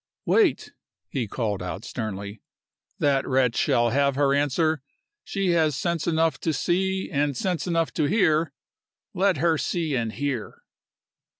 "Wait!" he called out, sternly. "That wretch shall have her answer. She has sense enough to see and sense enough to hear. Let her see and hear!"